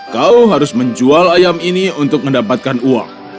kau harus menjual ayam ini untuk mendapatkan uang